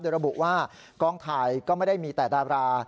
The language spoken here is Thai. โดยระบุว่ากองถ่ายก็ไม่ได้มีแต่ดารา